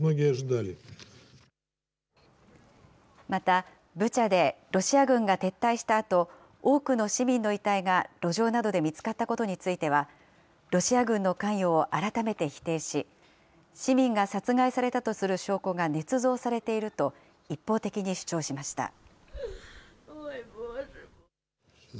また、ブチャでロシア軍が撤退したあと、多くの市民の遺体が路上などで見つかったことについては、ロシア軍の関与を改めて否定し、市民が殺害されたとする証拠がねつ造されていると、一方的に主張しました。